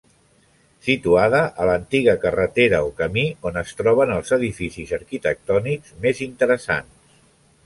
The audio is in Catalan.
Situada a l'antiga carretera o camí on es troben els edificis arquitectònics més interessants.